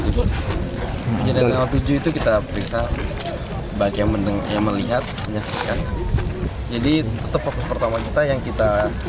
kejadian tanggal tujuh itu kita periksa baik yang mendengar melihat menyaksikan jadi tetap fokus pertama kita yang kita